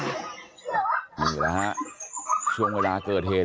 นี่แหละฮะช่วงเวลาเกิดเหตุ